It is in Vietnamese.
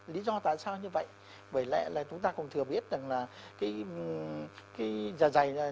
lý do tại sao như vậy bởi lẽ là chúng ta cũng thừa biết rằng là cái giả giải này